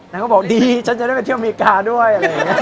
นางก็บอกดีฉันจะได้ไปเที่ยวอเมริกาด้วย